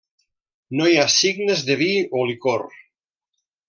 No hi ha signes de vi o licor.